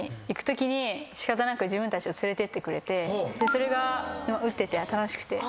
それが打ってて楽しくて。